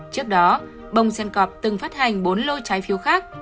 trước đó bông sen cọp từng phát hành bốn lô trái phiếu khác